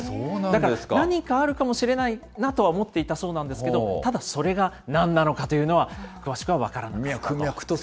だから、何かあるかもしれないなとは思っていたそうなんですけど、ただ、それが何なのかというのは詳しくは分からなかったと。